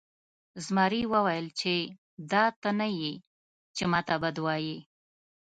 زمري وویل چې دا ته نه یې چې ما ته بد وایې.